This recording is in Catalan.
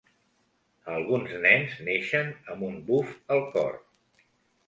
Alguns nens naixen amb un buf al cor.